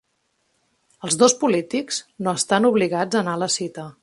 Els dos polítics no estan obligats a anar a la cita